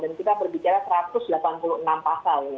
dan kita berbicara satu ratus delapan puluh enam pasal ini ya